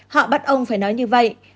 họ bắt ông phải nói như vậy